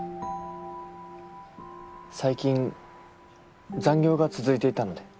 最近残業が続いていたので。